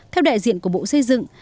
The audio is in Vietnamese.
theo đại diện của bộ xây dựng